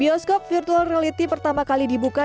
bioskop virtual reality pertama kali dibuka